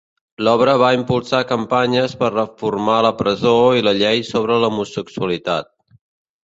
L'obra va impulsar campanyes per reformar la presó i la llei sobre l'homosexualitat.